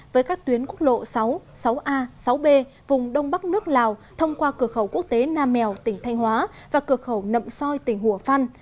với các tuyến quốc lộ sáu sáu a sáu b vùng đông bắc nước lào thông qua cửa khẩu quốc tế nam mèo tỉnh thanh hóa và cửa khẩu nậm soi tỉnh hùa phan